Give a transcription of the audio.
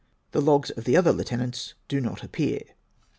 The logs of the other Lieutenants do not appear.